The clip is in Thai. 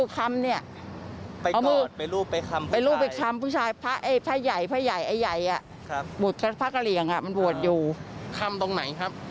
คำตรงไหนครับ